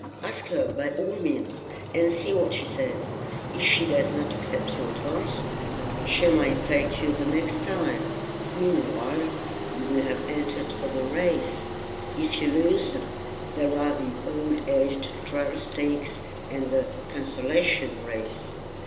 Ask her, by all means, and see what she says. If she does not accept you at once, she may take you the next time. Meanwhile, you will have entered for the race. If you lose, there are the 'All aged Trial Stakes,' and the 'Consolation Race.'"